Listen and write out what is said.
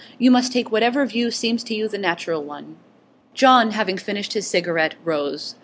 You must take whatever view seems to you the natural one.' John, having finished his cigarette, rose.